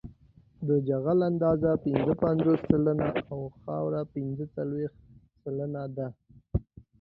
د جغل اندازه پنځه پنځوس سلنه او خاوره پنځه څلویښت سلنه ده